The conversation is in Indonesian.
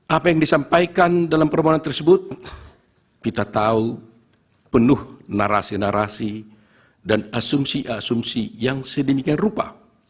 apa yang disampaikan dalam permohonan tersebut kita tahu penuh narasi narasi dan asumsi asumsi yang sedemikian rupa